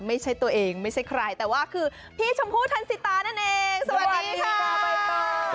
ไม่ใช่ตัวเองไม่ใช่ใครแต่ว่าคือพี่ชมพู่ทันสิตานั่นเองสวัสดีค่ะใบตอง